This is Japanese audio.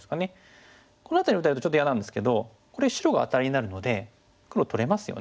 この辺り打たれるとちょっと嫌なんですけどこれ白がアタリになるので黒取れますよね。